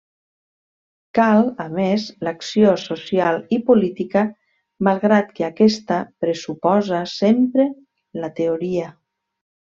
Cal, a més, l’acció social i política, malgrat que aquesta pressuposa sempre la teoria.